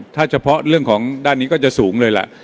ถ้าเฉพาะเรื่องของด้านนี้ก็จะสูงเลยล่ะ